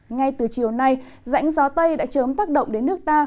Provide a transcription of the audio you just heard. ngay từ chiều nay rãnh gió tây đã chớm tác động đến nước ta